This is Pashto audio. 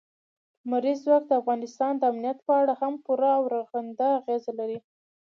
لمریز ځواک د افغانستان د امنیت په اړه هم پوره او رغنده اغېز لري.